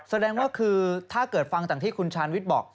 แสดงว่าคือถ้าเกิดฟังจากที่คุณชาญวิทย์บอก